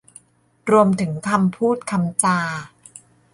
รวมถึงคำพูดคำจา